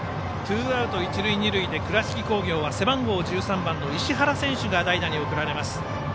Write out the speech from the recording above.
ツーアウト、一塁二塁で倉敷工業は背番号１３番の石原選手が代打に送られます。